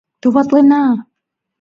Товатлена!